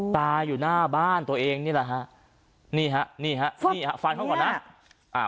ตายอยู่หน้าบ้านตัวเองนี่แหละฮะนี่ฮะนี่ฮะฟันเขาก่อนนะอ่า